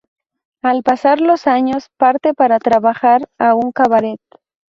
Al pasar los años, parte para trabajar a un cabaret.